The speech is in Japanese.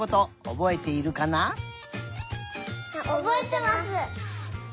おぼえてます。